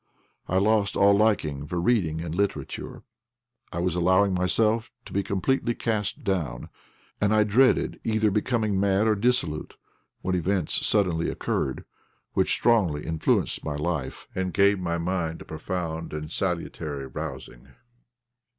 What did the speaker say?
I lost all liking for reading and literature. I was allowing myself to be completely cast down, and I dreaded either becoming mad or dissolute, when events suddenly occurred which strongly influenced my life, and gave my mind a profound and salutary rousing.